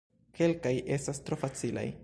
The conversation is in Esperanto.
Kelkaj estas tro facilaj.